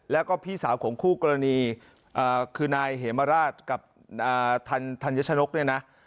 แล้วก็พี่สาวของคู่กรณีคือนายเหมราชกับธัญชนกเนี่ยนะ